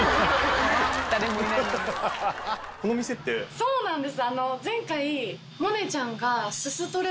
そうなんです。